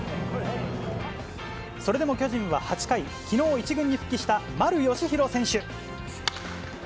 それでも巨人は８回、きのう１軍に復帰した丸佳浩選手。